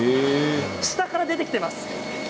下から出てきています。